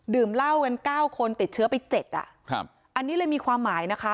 เหล้ากันเก้าคนติดเชื้อไปเจ็ดอ่ะครับอันนี้เลยมีความหมายนะคะ